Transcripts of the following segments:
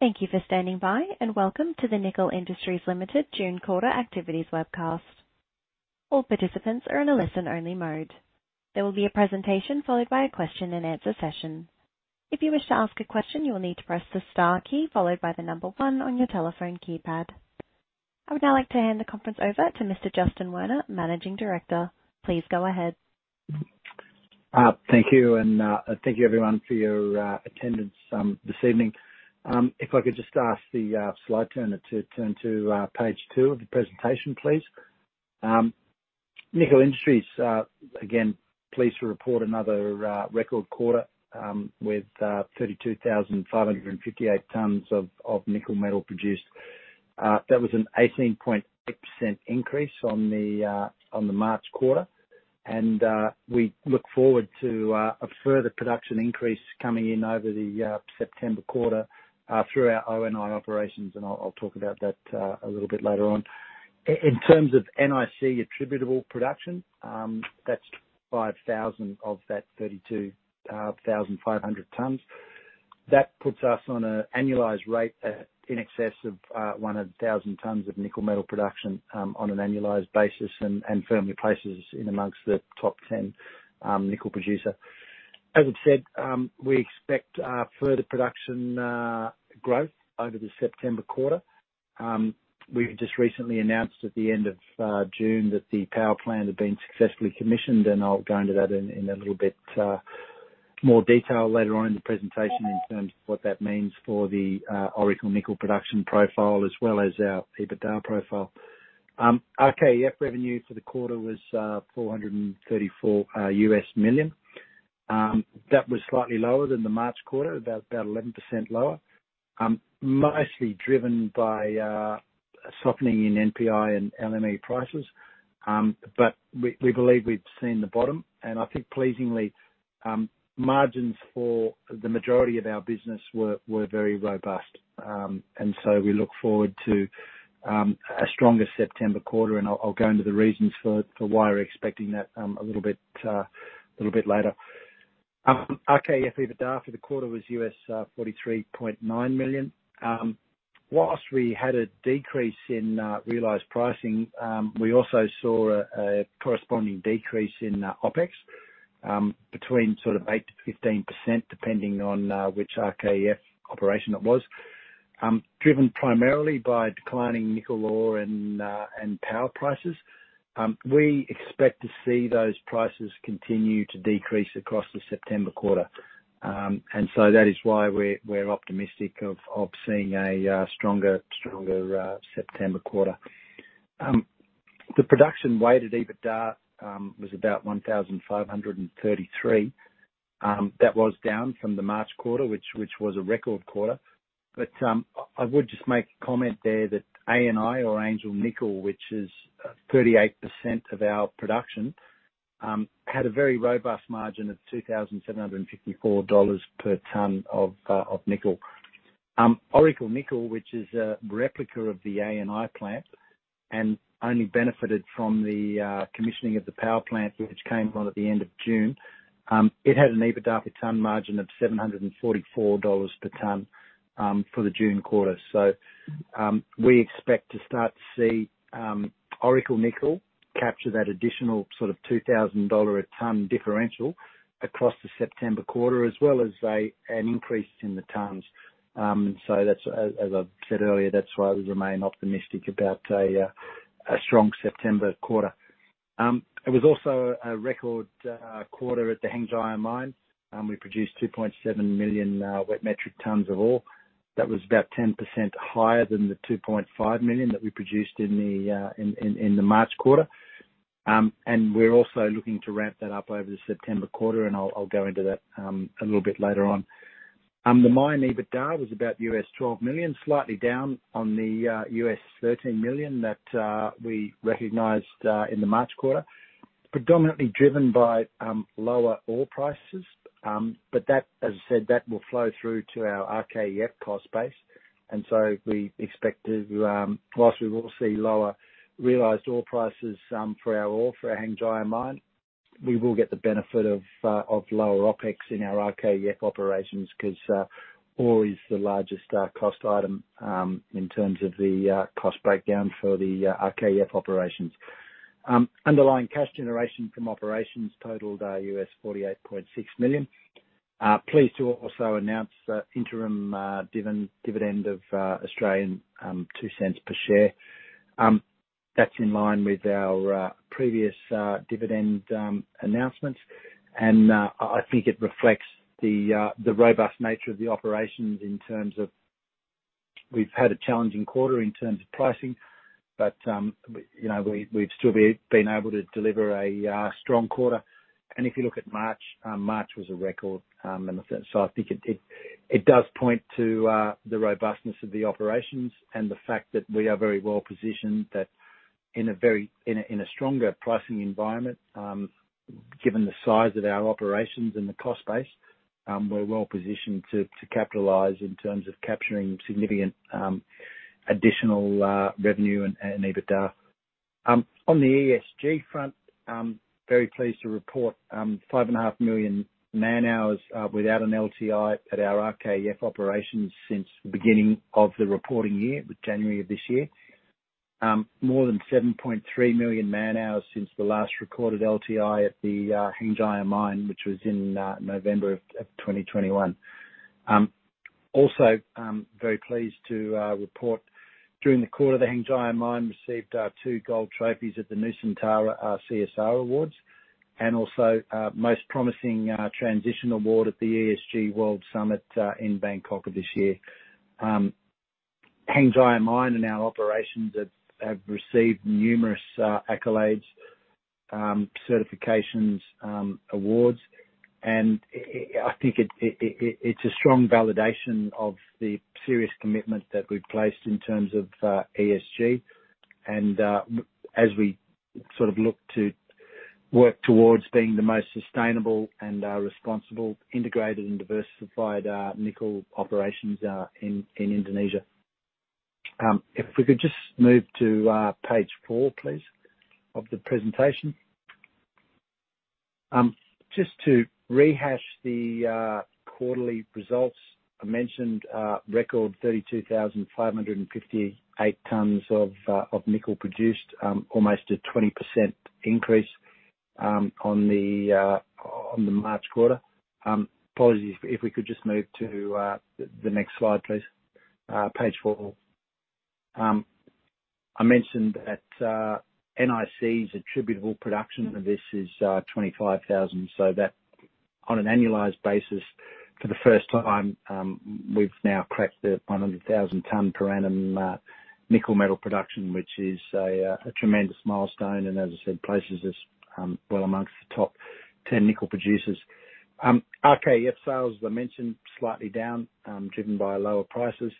Thank you for standing by, and welcome to the Nickel Industries Limited June Quarter Activities Webcast. All participants are in a listen-only mode. There will be a presentation followed by a question and answer session. If you wish to ask a question, you will need to press the star key followed by the number one on your telephone keypad. I would now like to hand the conference over to Mr. Justin Werner, Managing Director. Please go ahead. Thank you, thank you everyone for your attendance this evening. If I could just ask the slide turner to turn to page two of the presentation, please. Nickel Industries again, pleased to report another record quarter, with 32,558 tons of nickel metal produced. That was an 18.6% increase on the March quarter. We look forward to a further production increase coming in over the September quarter through our ONI operations, and I'll talk about that a little bit later on. In terms of NIC attributable production, that's 5,000 of that 32,500 tons. That puts us on a annualized rate at in excess of 100,000 tons of nickel metal production on an annualized basis and firmly places us in amongst the top 10 nickel producer. As I've said, we expect further production growth over the September quarter. We've just recently announced at the end of June that the power plant had been successfully commissioned, and I'll go into that in a little bit more detail later on in the presentation in terms of what that means for the Oracle Nickel production profile, as well as our EBITDA profile. RKEF revenue for the quarter was $434 million. That was slightly lower than the March quarter, about 11% lower, mostly driven by a softening in NPI and LME prices. We, we believe we've seen the bottom, and I think pleasingly, margins for the majority of our business were, were very robust. We look forward to a stronger September quarter, and I'll, I'll go into the reasons for, for why we're expecting that a little bit, little bit later. RKEF EBITDA for the quarter was $43.9 million. Whilst we had a decrease in realized pricing, we also saw a corresponding decrease in OpEx between sort of 8% to 15%, depending on which RKEF operation it was. Driven primarily by declining nickel ore and power prices. We expect to see those prices continue to decrease across the September quarter. That is why we're, we're optimistic of seeing a stronger, stronger September quarter. The production-weighted EBITDA was about $1,533. That was down from the March quarter, which was a record quarter. I would just make a comment there that ANI or Angel Nickel, which is 38% of our production, had a very robust margin of $2,754 per ton of nickel. Oracle Nickel, which is a replica of the ANI plant and only benefited from the commissioning of the power plant, which came on at the end of June, it had an EBITDA per ton margin of $744 per ton for the June quarter. We expect to start to see Oracle Nickel capture that additional sort of $2,000 a ton differential across the September quarter, as well as an increase in the tons. That's as, as I've said earlier, that's why we remain optimistic about a strong September quarter. It was also a record quarter at the Hengjaya Mine. We produced 2.7 million wet metric tons of ore. That was about 10% higher than the 2.5 million that we produced in the March quarter. We're also looking to ramp that up over the September quarter, and I'll, I'll go into that a little bit later on. The mine EBITDA was about $12 million, slightly down on the $13 million that we recognized in the March quarter, predominantly driven by lower ore prices. That, as I said, that will flow through to our RKEF cost base, so we expect to, whilst we will see lower realized ore prices, for our ore, for our Hengjaya Mine, we will get the benefit of lower OpEx in our RKEF operations, 'cause ore is the largest cost item, in terms of the cost breakdown for the RKEF operations. Underlying cash generation from operations totaled $48.6 million. Pleased to also announce the interim dividend of 0.02 per share. That's in line with our previous dividend announcements. I think it reflects the robust nature of the operations in terms of. We've had a challenging quarter in terms of pricing, but, you know, we've still been able to deliver a strong quarter. If you look at March, March was a record in a sense. I think it does point to the robustness of the operations and the fact that we are very well positioned, that in a stronger pricing environment, given the size of our operations and the cost base, we're well positioned to capitalize in terms of capturing significant additional revenue and EBITDA.... On the ESG front, very pleased to report, 5.5 million man-hours without an LTI at our RKEF operations since the beginning of the reporting year, January of this year. More than 7.3 million man-hours since the last recorded LTI at the Hengjaya Mine, which was in November 2021. Also, very pleased to report during the quarter, the Hengjaya Mine received 2 gold trophies at the Nusantara CSR Awards, and also, Most Promising Transition Award at the ESG World Summit in Bangkok this year. Hengjaya Mine and our operations have received numerous accolades, certifications, awards, I think it's a strong validation of the serious commitment that we've placed in terms of ESG, as we sort of look to work towards being the most sustainable and responsible, integrated and diversified nickel operations in Indonesia. If we could just move to page four, please, of the presentation. Just to rehash the quarterly results, I mentioned record 32,558 tons of nickel produced, almost a 20% increase on the March quarter. Apologies, if we could just move to the next slide, please. Page four. I mentioned that NIC's attributable production of this is 25,000, so that on an annualized basis for the first time, we've now cracked the 100,000 ton per annum nickel metal production, which is a tremendous milestone, and as I said, places us well amongst the top 10 nickel producers. RKEF sales, as I mentioned, slightly down, driven by lower prices.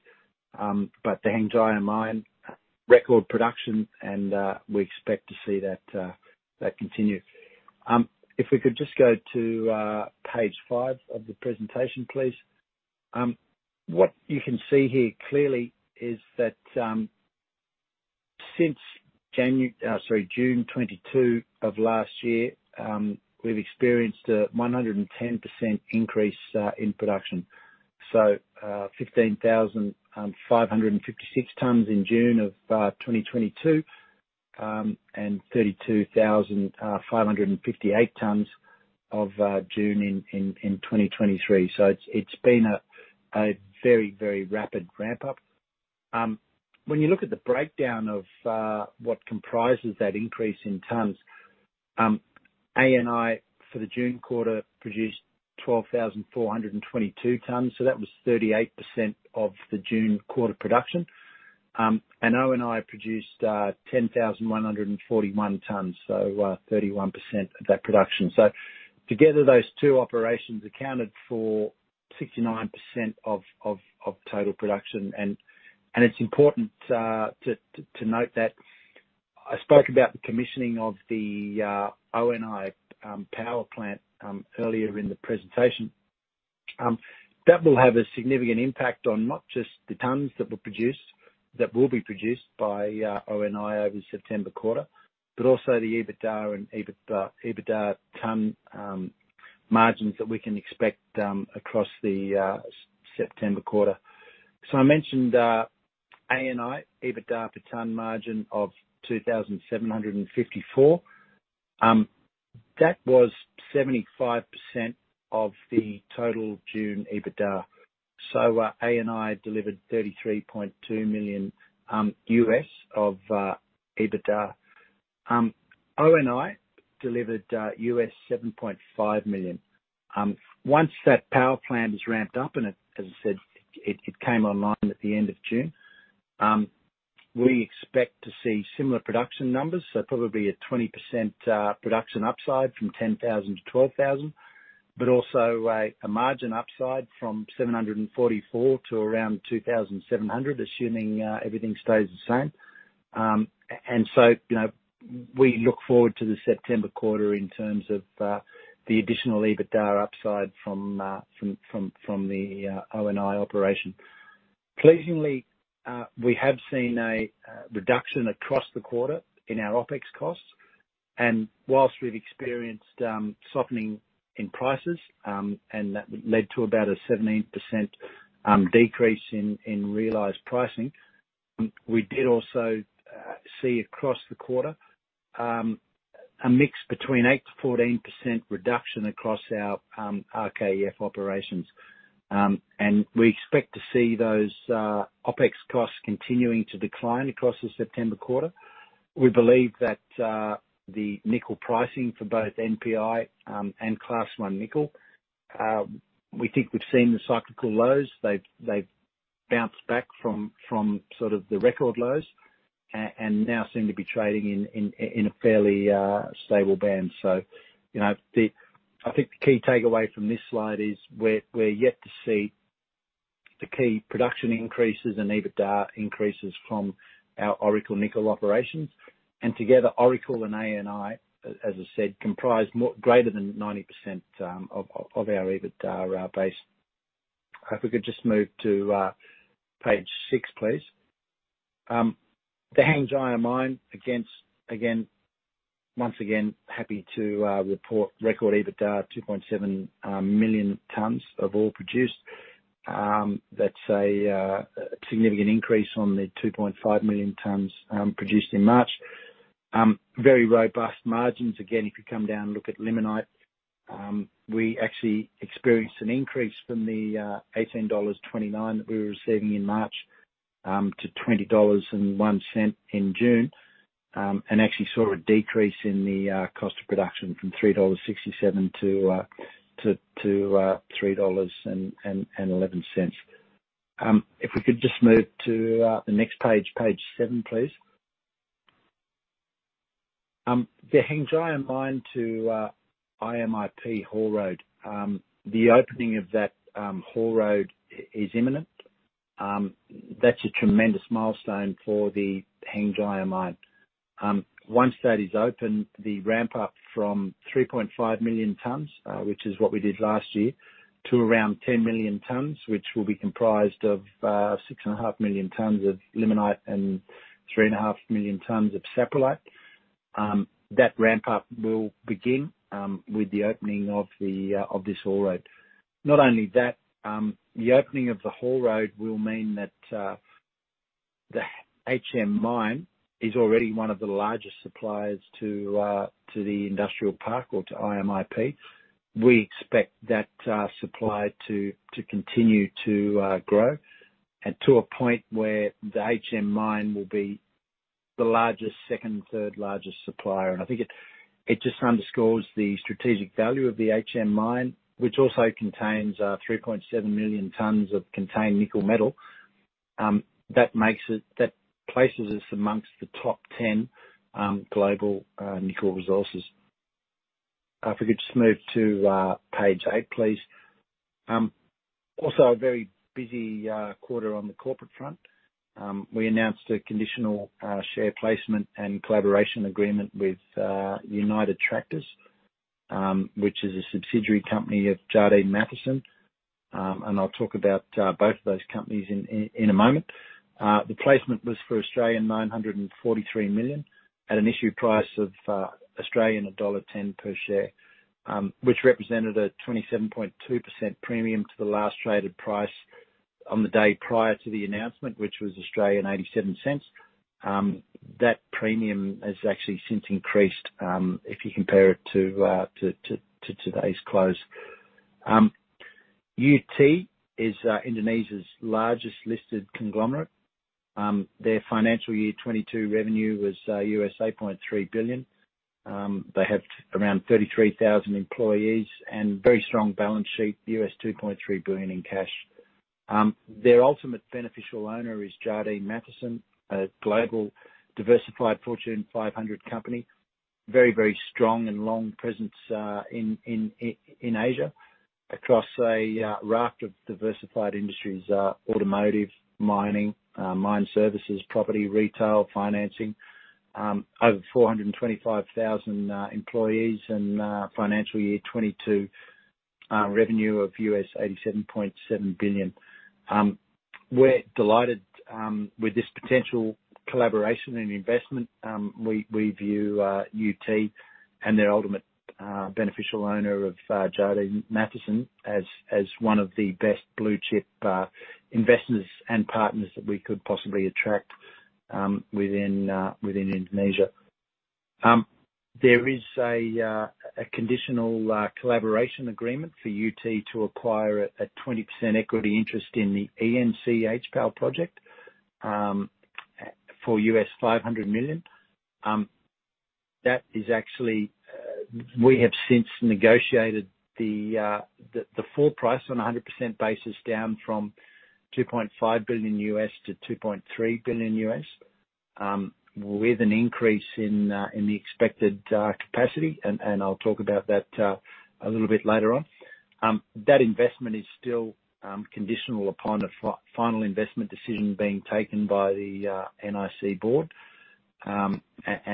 The Hengjaya Mine, record production, and we expect to see that continue. If we could just go to page five of the presentation, please. What you can see here clearly is that since June 2022 of last year, we've experienced a 110% increase in production. 15,556 tons in June of 2022 and 32,558 tons in June in 2023. It's been a very, very rapid ramp-up. When you look at the breakdown of what comprises that increase in tons, ANI for the June quarter produced 12,422 tons, so that was 38% of the June quarter production. ONI produced 10,141 tons, 31% of that production. Together, those two operations accounted for 69% of total production. It's important to note that I spoke about the commissioning of the ONI power plant earlier in the presentation. That will have a significant impact on not just the tons that were produced, that will be produced by ONI over the September quarter, but also the EBITDA and EBIT EBITDA ton margins that we can expect across the September quarter. I mentioned ANI, EBITDA per ton margin of $2,754. That was 75% of the total June EBITDA. ANI delivered $33.2 million of EBITDA. ONI delivered $7.5 million. Once that power plant is ramped up and it, as I said, it, it came online at the end of June, we expect to see similar production numbers, so probably a 20% production upside from 10,000 to 12,000, but also a margin upside from $744 to around $2,700, assuming everything stays the same. You know, we look forward to the September quarter in terms of the additional EBITDA upside from the ONI operation. Pleasingly, we have seen a reduction across the quarter in our OpEx costs, and whilst we've experienced softening in prices, and that led to about a 17% decrease in realized pricing, we did also see across the quarter a mix between 8% to 14% reduction across our RKEF operations. We expect to see those OpEx costs continuing to decline across the September quarter. We believe that the nickel pricing for both NPI and Class 1 nickel, we think we've seen the cyclical lows. They've bounced back from sort of the record lows and now seem to be trading in a fairly stable band. So, you know, the. I think the key takeaway from this slide is we're, we're yet to see the key production increases and EBITDA increases from our Oracle Nickel operations. Together, Oracle and ANI, as I said, comprise more, greater than 90% of our EBITDA base. If we could just move to page six, please. The Hengjaya Mine against, again, once again, happy to report record EBITDA of 2.7 million tons of ore produced. That's a significant increase on the 2.5 million tons produced in March. Very robust margins. Again, if you come down and look at limonite, we actually experienced an increase from the $18.29 that we were receiving in March to $20.01 in June. Actually saw a decrease in the cost of production from $3.67 to $3.11. If we could just move to the next page, page seven, please. The Hengjaya Mine to IMIP haul road. The opening of that haul road is imminent. That's a tremendous milestone for the Hengjaya Mine. Once that is open, the ramp up from 3.5 million tons, which is what we did last year, to around 10 million tons, which will be comprised of 6.5 million tons of limonite and 3.5 million tons of saprolite. That ramp up will begin with the opening of this haul road. Not only that, the opening of the haul road will mean that the HM Mine is already one of the largest suppliers to the industrial park or to IMIP. We expect that supply to continue to grow, and to a point where the HM Mine will be the largest, second, third largest supplier. I think it just underscores the strategic value of the HM Mine, which also contains 3.7 million tons of contained nickel metal. That makes it-- that places us amongst the top 10 global nickel resources. If we could just move to page eight, please. Also a very busy quarter on the corporate front. We announced a conditional share placement and collaboration agreement with United Tractors, which is a subsidiary company of Jardine Matheson. I'll talk about both of those companies in a moment. The placement was for 943 million at an issue price of 1.10 Australian dollars per share, which represented a 27.2% premium to the last traded price on the day prior to the announcement, which was 0.87. That premium has actually since increased, if you compare it to today's close. UT is Indonesia's largest listed conglomerate. Their financial year 2022 revenue was $8.3 billion. They have around 33,000 employees and very strong balance sheet, $2.3 billion in cash. Their ultimate beneficial owner is Jardine Matheson, a global diversified Fortune 500 company. Very, very strong and long presence in Asia, across a raft of diversified industries, automotive, mining, mine services, property, retail, financing, over 425,000 employees, and financial year 2022 revenue of $87.7 billion. We're delighted with this potential collaboration and investment. We view UT and their ultimate beneficial owner of Jardine Matheson as one of the best blue chip investors and partners that we could possibly attract within Indonesia. There is a conditional collaboration agreement for UT to acquire a 20% equity interest in the ENC HPAL project for $500 million. That is actually... We have since negotiated the full price on a 100% basis, down from $2.5 billion to $2.3 billion, with an increase in the expected capacity, and I'll talk about that a little bit later on. That investment is still conditional upon a final investment decision being taken by the NIC board. I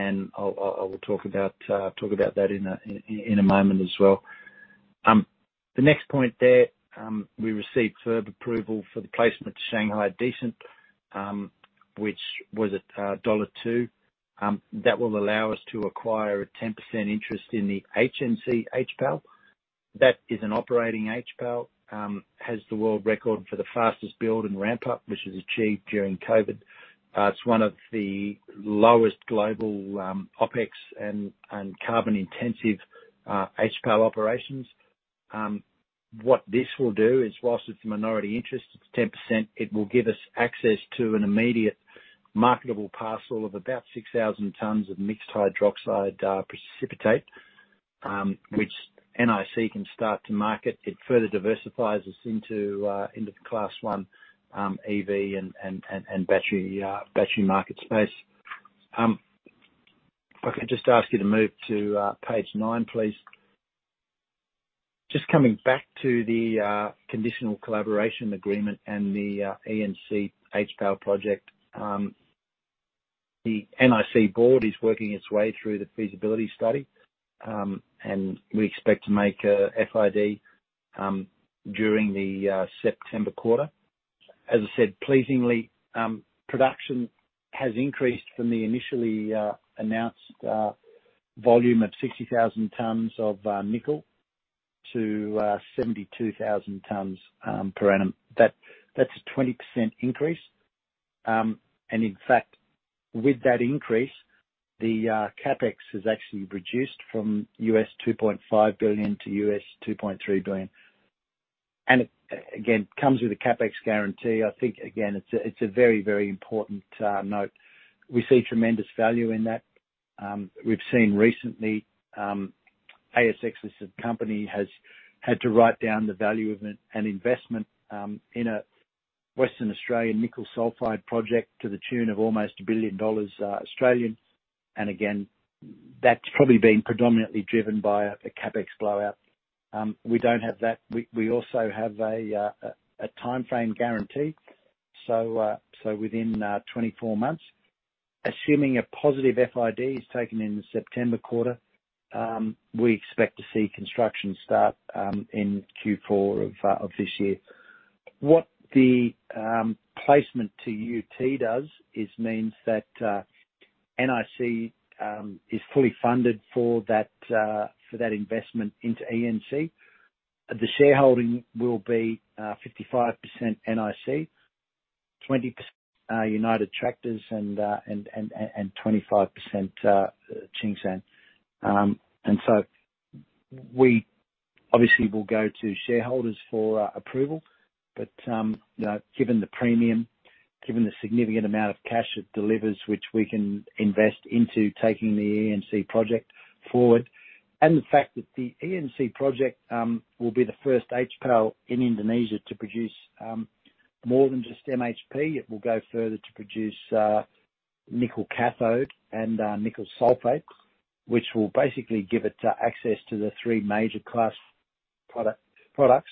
will talk about that in a moment as well. The next point there, we received further approval for the placement to Shanghai Decent, which was at $2. That will allow us to acquire a 10% interest in the HNC HPAL. That is an operating HPAL, has the world record for the fastest build and ramp up, which was achieved during COVID. It's one of the lowest global OpEx and carbon-intensive HPAL operations. What this will do is, whilst it's a minority interest, it's 10%, it will give us access to an immediate marketable parcel of about 6,000 tons of mixed hydroxide precipitate, which NIC can start to market. It further diversifies us into the Class 1 EV and battery market space. If I could just ask you to move to page nine, please. Just coming back to the conditional collaboration agreement and the ENC HPAL project. The NIC board is working its way through the feasibility study, and we expect to make a FID during the September quarter. As I said, pleasingly, production has increased from the initially announced volume of 60,000 tons of nickel to 72,000 tons per annum. That's a 20% increase. In fact, with that increase, the CapEx has actually reduced from $2.5 billion to $2.3 billion. It again comes with a CapEx guarantee. I think, again, it's a very, very important note. We see tremendous value in that. We've seen recently, ASX-listed company has had to write down the value of an investment in a Western Australian nickel sulfide project to the tune of almost 1 billion dollars. Again, that's probably been predominantly driven by a CapEx blowout. We don't have that. We also have a timeframe guarantee, so within 24 months. Assuming a positive FID is taken in the September quarter, we expect to see construction start in Q4 of this year. What the placement to UT does, is means that NIC is fully funded for that for that investment into ENC. The shareholding will be 55% NIC, 20% United Tractors, and 25% Tsingshan. We obviously will go to shareholders for approval, you know, given the premium, given the significant amount of cash it delivers, which we can invest into taking the ENC project forward, and the fact that the ENC project will be the first HPAL in Indonesia to produce more than just MHP, it will go further to produce nickel cathode and nickel sulfate, which will basically give it access to the three major class products.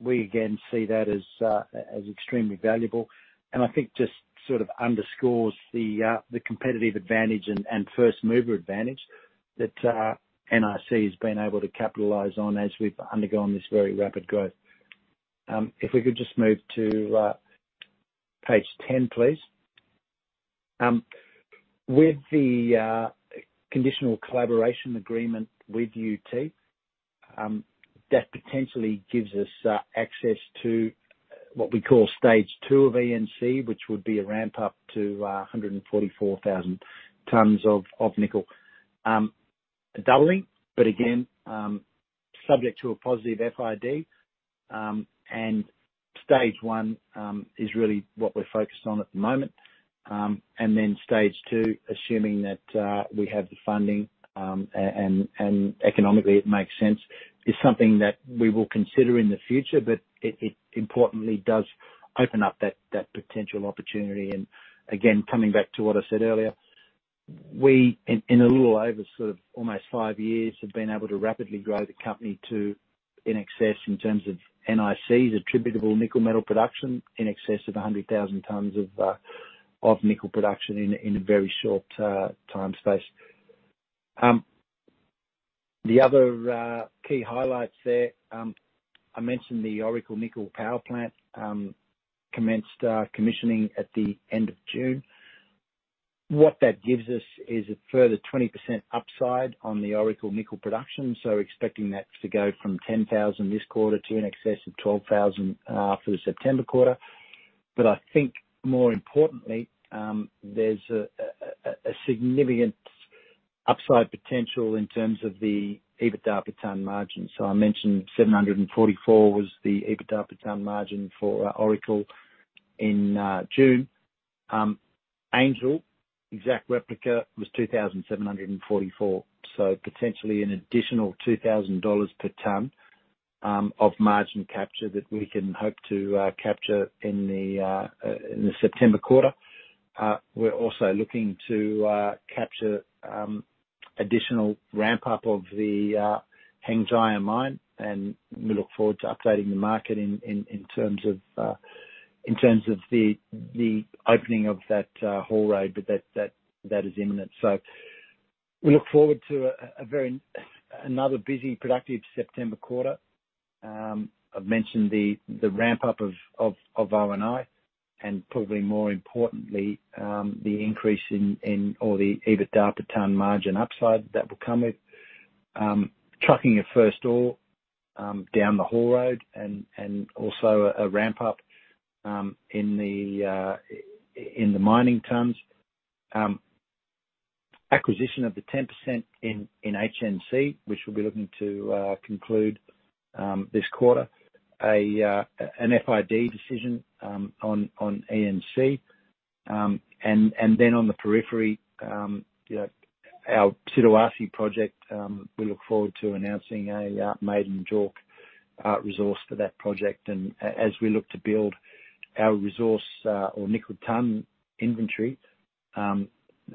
We again, see that as extremely valuable, and I think just sort of underscores the competitive advantage and first-mover advantage that NIC has been able to capitalize on as we've undergone this very rapid growth. If we could just move to page 10, please. With the conditional collaboration agreement with UT, that potentially gives us access to what we call stage two of ENC, which would be a ramp up to 144,000 tons of nickel. Doubling, but again, subject to a positive FID. Stage one is really what we're focused on at the moment. Then stage two, assuming that we have the funding and economically it makes sense, is something that we will consider in the future, but it importantly does open up that potential opportunity. Again, coming back to what I said earlier, we, in, in a little over sort of almost five years, have been able to rapidly grow the company to in excess in terms of NIC's attributable nickel metal production, in excess of 100,000 tons of nickel production in a, in a very short, time space. The other, key highlights there, I mentioned the Oracle Nickel power plant, commenced, commissioning at the end of June. What that gives us is a further 20% upside on the Oracle Nickel production, so expecting that to go from 10,000 this quarter to in excess of 12,000, for the September quarter. I think more importantly, there's a significant upside potential in terms of the EBITDA per ton margin. I mentioned $744 was the EBITDA per ton margin for Oracle in June. Angel, exact replica, was $2,744. Potentially an additional $2,000 per ton of margin capture that we can hope to capture in the September quarter. We're also looking to capture additional ramp-up of the Hengjaya Mine, and we look forward to updating the market in terms of the opening of that haul road, but that is imminent. We look forward to another busy, productive September quarter. I've mentioned the ramp-up of ONI, probably more importantly, the increase in or the EBITDA per ton margin upside that will come with trucking of first ore down the haul road also a ramp-up in the mining tons. Acquisition of the 10% in HNC, which we'll be looking to conclude this quarter. An FID decision on ENC, then on the periphery, you know, our Siduarsi project, we look forward to announcing a maiden JORC resource for that project. As we look to build our resource or nickel ton inventory.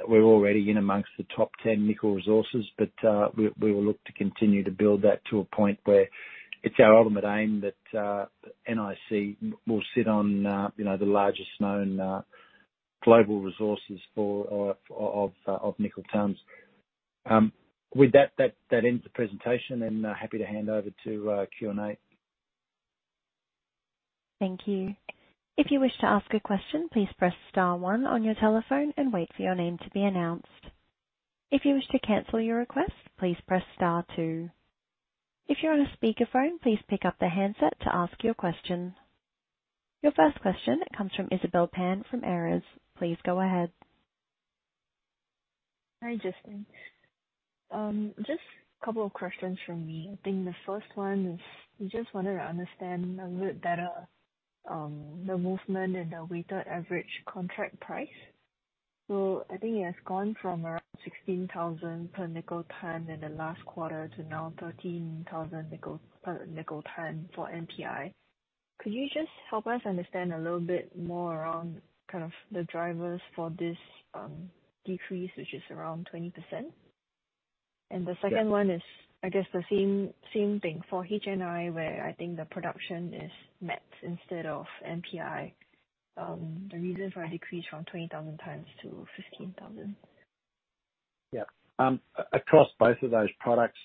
We're already in amongst the top 10 nickel resources, but we will look to continue to build that to a point where it's our ultimate aim that NIC will sit on, you know, the largest known global resources for, of nickel terms. With that, that ends the presentation, and happy to hand over to Q&A. Thank you. If you wish to ask a question, please press star one on your telephone and wait for your name to be announced. If you wish to cancel your request, please press star two. If you're on a speakerphone, please pick up the handset to ask your question. Your first question comes from Isabelle Pan from Aris. Please go ahead. Hi, Justin. Just a couple of questions from me. I think the first one is, we just wanted to understand a little better the movement in the weighted average contract price. I think it has gone from around $16,000 per nickel ton in the last quarter to now $13,000 nickel per nickel ton for NPI. Could you just help us understand a little bit more around kind of the drivers for this decrease, which is around 20%? Yeah. The second one is, I guess, the same, same thing for HNI, where I think the production is met instead of NPI. The reason for a decrease from 20,000 tons to 15,000. Yeah. Across both of those products,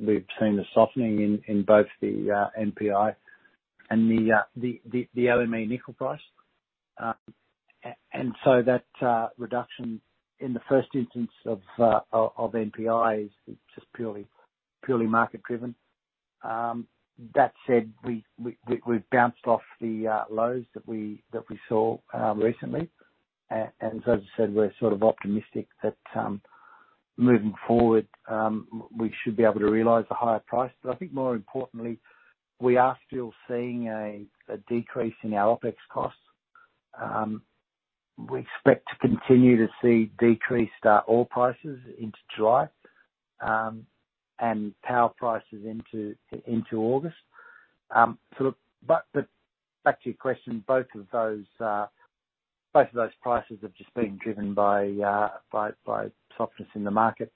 we've seen a softening in, in both the NPI and the LME nickel price. That reduction in the first instance of NPI is just purely, purely market driven. That said, we, we, we've bounced off the lows that we, that we saw recently. As I said, we're sort of optimistic that moving forward, we should be able to realize a higher price. I think more importantly, we are still seeing a, a decrease in our OpEx costs. We expect to continue to see decreased oil prices into July, and power prices into, into August. Sort of, but, but back to your question, both of those, both of those prices have just been driven by, by, by softness in the market.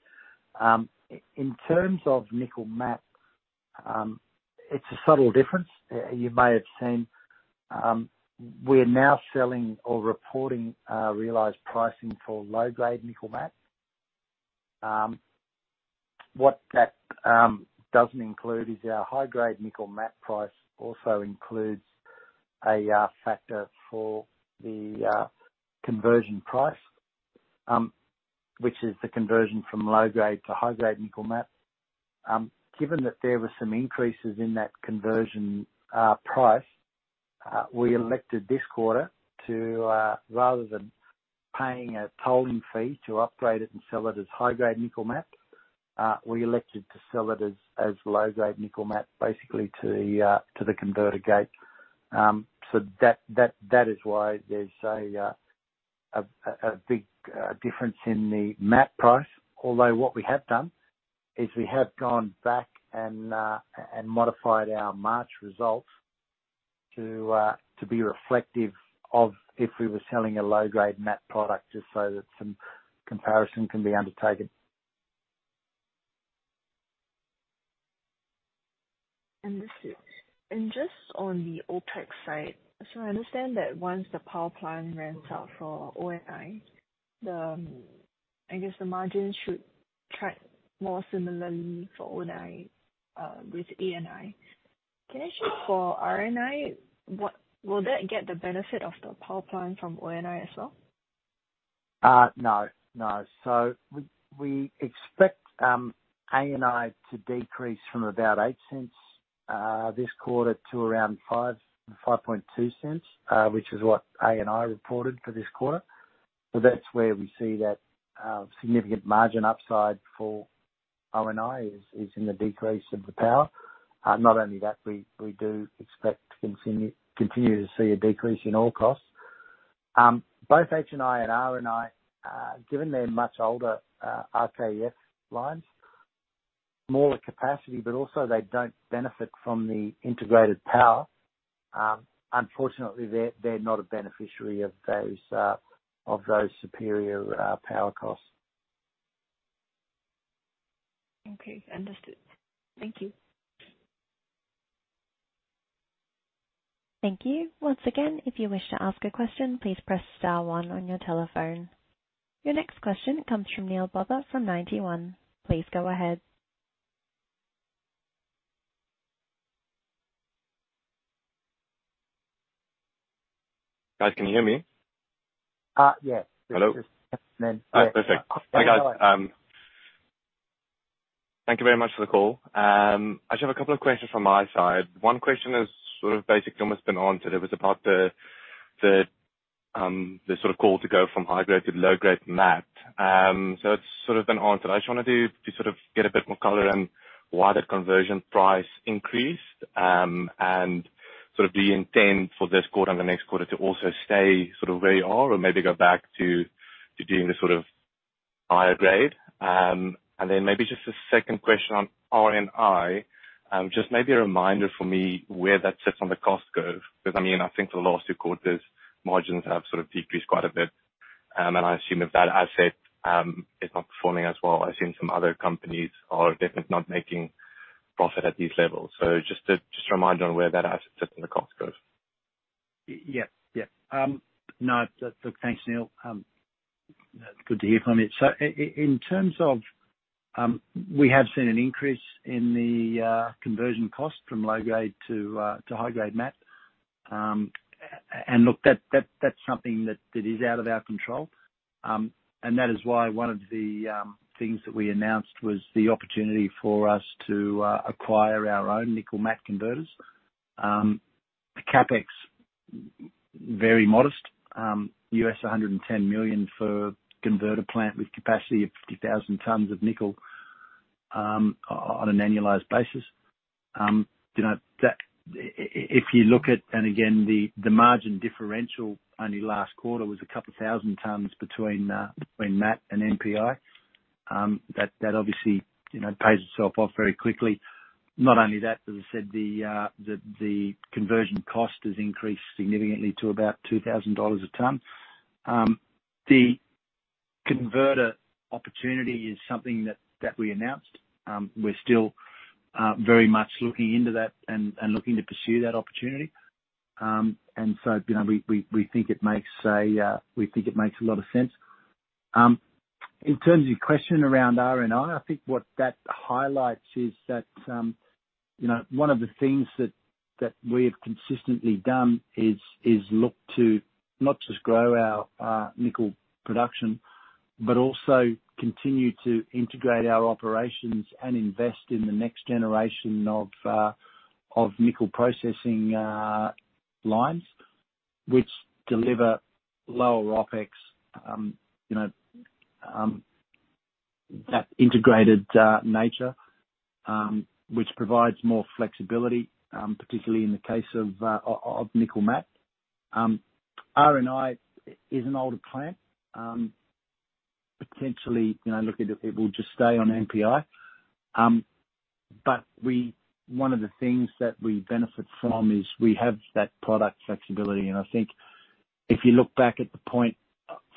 In terms of nickel matte, it's a subtle difference. You may have seen, we're now selling or reporting realized pricing for low-grade nickel matte. What that doesn't include is our high-grade nickel matte price also includes a factor for the conversion price, which is the conversion from low-grade to high-grade nickel matte. Given that there were some increases in that conversion price, we elected this quarter to rather than paying a tolling fee to upgrade it and sell it as high-grade nickel matte, we elected to sell it as, as low-grade nickel matte, basically to the converter gate. That, that, that is why there's a big difference in the matte price. Although what we have done is we have gone back and modified our March results to be reflective of if we were selling a low-grade matte product, just so that some comparison can be undertaken. This is... Just on the OpEx side, so I understand that once the power plant rents out for ONI, I guess the margin should track more similarly for ONI with ENI. Can I ask you for RNI, will that get the benefit of the power plant from ONI as well? No, no. We, we expect ANI to decrease from about $0.08 this quarter to around $0.052, which is what ANI reported for this quarter. That's where we see that significant margin upside for ANI is in the decrease of the power. Not only that, we, we do expect to continue, continue to see a decrease in all costs. Both ANI and ANI, given their much older RKEF lines, more the capacity, but also they don't benefit from the integrated power. Unfortunately, they're not a beneficiary of those of those superior power costs. Okay, understood. Thank you. Thank you. Once again, if you wish to ask a question, please press star one on your telephone. Your next question comes from Niel Botha from Ninety One. Please go ahead. Guys, can you hear me? yes. Hello? Yes. Perfect. Hi, guys. Thank you very much for the call. I just have a couple of questions from my side. One question is sort of basically almost been answered. It was about the, the, the sort of call to go from high-grade to low-grade matte. It's sort of been answered. I just wanted to, to sort of get a bit more color on why that conversion price increased, and sort of the intent for this quarter and the next quarter to also stay sort of where you are or maybe go back to, to doing the sort of higher grade. Then maybe just a second question on ANI. Just maybe a reminder for me where that sits on the cost curve, because, I mean, I think the last two quarters, margins have sort of decreased quite a bit. I assume that that asset is not performing as well. I've seen some other companies are definitely not making profit at these levels. Just a reminder on where that asset sits in the cost curve. Yeah. Yeah. No, look, thanks, Neil. It's good to hear from you. In terms of, we have seen an increase in the conversion cost from low grade to high grade matte. Look, that, that, that's something that, that is out of our control. That is why one of the things that we announced was the opportunity for us to acquire our own nickel matte converters. The CapEx, very modest, $110 million for converter plant with capacity of 50,000 tons of nickel on an annualized basis. You know, that if you look at again, the, the margin differential only last quarter was a couple thousand tons between matte and NPI. That, that obviously, you know, pays itself off very quickly. Not only that, as I said, the, the, the conversion cost has increased significantly to about $2,000 a ton. The converter opportunity is something that, that we announced. We're still very much looking into that and, and looking to pursue that opportunity. You know, we think it makes a lot of sense. In terms of your question around ANI, I think what that highlights is that, you know, one of the things that, that we have consistently done is, is look to not just grow our nickel production, but also continue to integrate our operations and invest in the next generation of nickel processing lines, which deliver lower OpEx, you know, that integrated nature, which provides more flexibility, particularly in the case of nickel matte. ANI is an older plant. Potentially, you know, look, it, it will just stay on NPI. One of the things that we benefit from is we have that product flexibility. I think if you look back at the point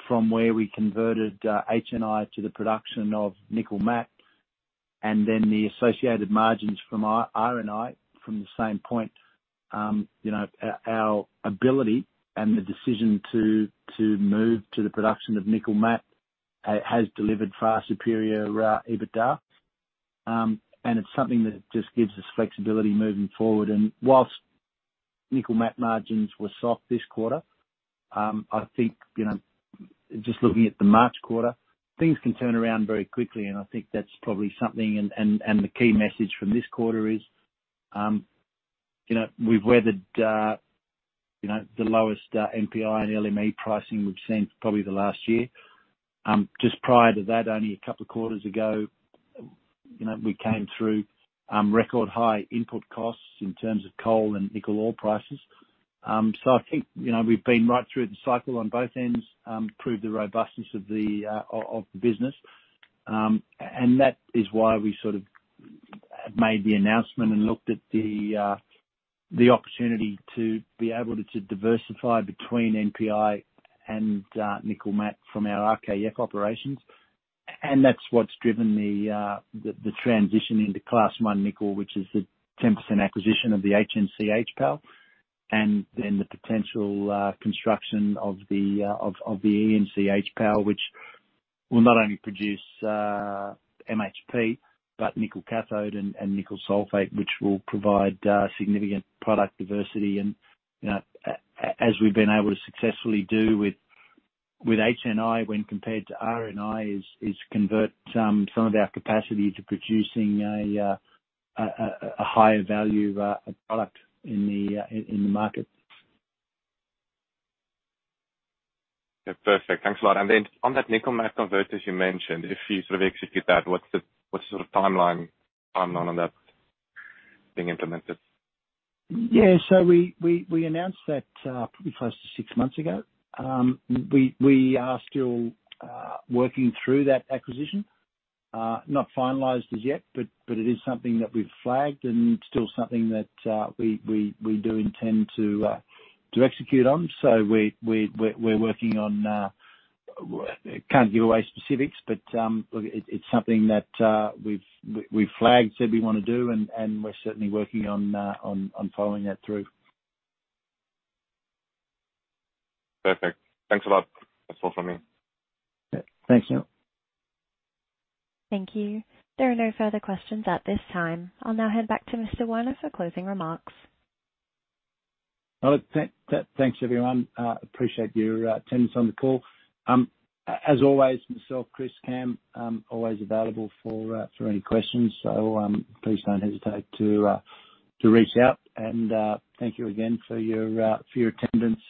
from where we converted ANI to the production of nickel matte, and then the associated margins from ANI from the same point, you know, our ability and the decision to move to the production of nickel matte has delivered far superior EBITDA. It's something that just gives us flexibility moving forward. Whilst nickel matte margins were soft this quarter, I think, you know, just looking at the March quarter, things can turn around very quickly, and I think that's probably something. The key message from this quarter is, you know, we've weathered, you know, the lowest NPI and LME pricing we've seen probably the last year. Just prior to that, only a couple of quarters ago, you know, we came through record high input costs in terms of coal and fuel oil prices. I think, you know, we've been right through the cycle on both ends, proved the robustness of the business. That is why we sort of have made the announcement and looked at the opportunity to be able to diversify between NPI and nickel matte from our RKEF operations. That's what's driven the transition into Class 1 nickel, which is the 10% acquisition of the HNC HPAL, and then the potential construction of the ENC HPAL, which will not only produce MHP, but nickel cathode and nickel sulfate, which will provide significant product diversity. You know, as we've been able to successfully do with, with ANI when compared to ANI, is convert some of our capacity to producing a higher value product in the market. Yeah. Perfect. Thanks a lot. On that nickel matte converter you mentioned, if you sort of execute that, what's the sort of timeline, timeline on that being implemented? Yeah. We, we, we announced that, probably close to six months ago. We, we are still working through that acquisition. Not finalized as yet, but it is something that we've flagged and still something that we, we, we do intend to execute on. We, we, we're, we're working on. I can't give away specifics, but look, it, it's something that we've flagged, said we wanna do, and we're certainly working on, on, on following that through. Perfect. Thanks a lot. That's all from me. Thank you. Thank you. There are no further questions at this time. I'll now head back to Mr. Werner for closing remarks. Oh, thanks, everyone. Appreciate your attendance on the call. As always, myself, Chris, Cam, always available for any questions. Please don't hesitate to reach out. Thank you again for your attendance,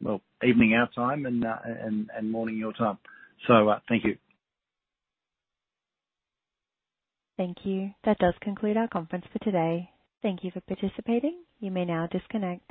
well, evening our time and, and, and morning your time. Thank you. Thank you. That does conclude our conference for today. Thank you for participating. You may now disconnect.